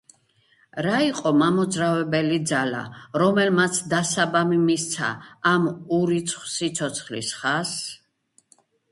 რა იყო მამოძრავებელი ძალა, რამაც დასაბამი მისცა ამ ურიცხვ სიცოცხლის ხაზს?